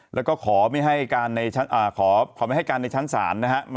แล้วก็ขอไม่ให้การในชั้นสารนะครับ